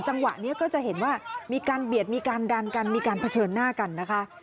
จังหวะนี้ก็จะเห็นว่ามีการเบียดมีการดันกันมีการเผชิญหน้ากันนะคะ